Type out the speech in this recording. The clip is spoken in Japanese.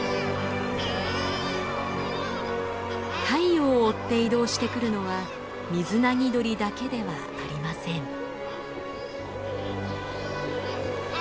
太陽を追って移動してくるのはミズナギドリだけではありません。